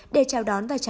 để chào đón và trả lời